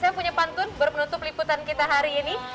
saya punya pantun baru menutup liputan kita hari ini